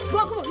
gue aku pukul